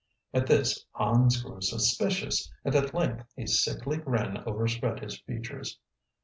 At this Hans grew suspicious, and at length a sickly grin overspread his features.